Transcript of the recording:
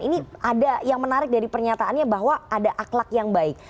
ini ada yang menarik dari pernyataannya bahwa ada akhlak yang baik